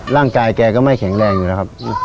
ร่างกายแกก็ไม่แข็งแรงอยู่แล้วครับ